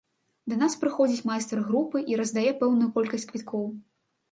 Да нас прыходзіць майстар групы і раздае пэўную колькасць квіткоў.